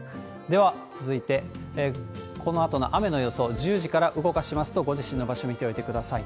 では続いて、このあとの雨の予想、１０時から動かしますと、ご自身の場所見ておいてください。